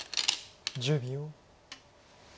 １０秒。